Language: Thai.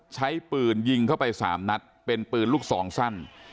ใช้ปืนยิงเข้าไป๓นัดเป็นปืนลูกซองสั้น